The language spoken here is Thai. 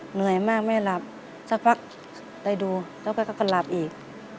เหนื่อยมากไม่หลับสักพักได้ดูแล้วก็กันหลับอีก